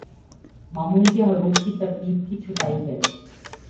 معمول کے حروف کی ترتیب کی چھٹائی کریں